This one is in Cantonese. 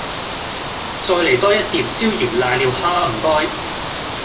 再黎多一碟椒鹽瀨尿蝦吖唔該